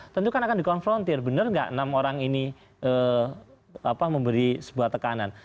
tentu kan akan dikonfrontir benar nggak enam orang ini memberi sebuah tekanan